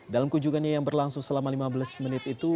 dalam kunjungannya yang berlangsung selama lima belas menit itu